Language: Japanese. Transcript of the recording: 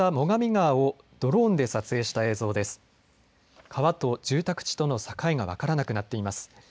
川と住宅地との境が分からなくなっています。